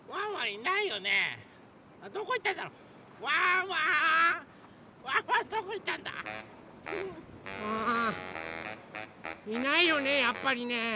いないよねやっぱりね。